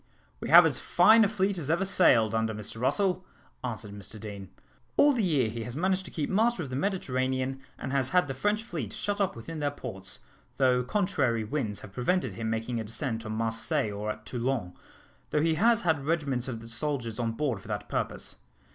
"We have as fine a fleet as ever sailed, under Mr Russell," answered Mr Deane. "All the year he has managed to keep master of the Mediterranean, and has had the French fleet shut up within their ports, though contrary winds have prevented him making a descent on Marseilles or at Toulon, though he has had regiments of soldiers on board for that purpose.